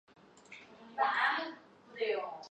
两个特许权系继承自卡尔顿电视。